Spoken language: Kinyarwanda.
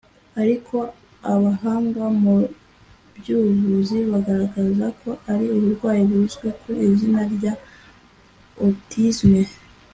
ariko abahanga mu by’ubuvuzi bagaragaza ko ari uburwayi buzwi ku izina rya "autisme